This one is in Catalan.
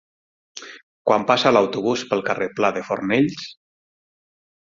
Quan passa l'autobús pel carrer Pla de Fornells?